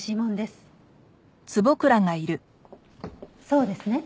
そうですね？